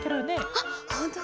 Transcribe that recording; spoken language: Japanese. あっほんとだ！